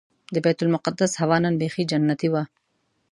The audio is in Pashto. د بیت المقدس هوا نن بيخي جنتي وه.